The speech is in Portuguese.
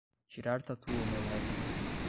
Tirar tatu ou meleca é nojento